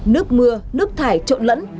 nước mưa nước thải trộn lẫn